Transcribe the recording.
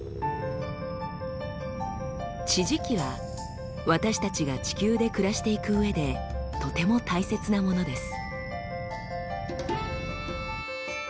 地磁気は私たちが地球で暮らしていくうえでとても大切なものです。